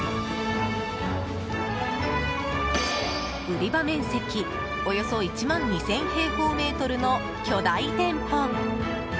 売り場面積、およそ１万２０００平方メートルの巨大店舗。